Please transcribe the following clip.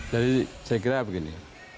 jadi saya kira begini